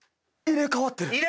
入れ替わってない！